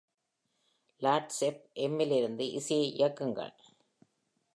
Last எஃப்.எம்மி லிருந்து இசையை இயக்குங்கள்.